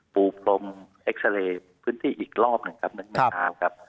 ปูพรมเอ็กซาเรย์พื้นที่อีกรอบหนึ่งครับเมื่อเช้าครับ